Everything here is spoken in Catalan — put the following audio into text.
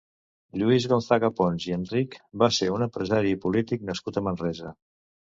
Lluís Gonzaga Pons i Enrich va ser un empresari i polític nascut a Manresa.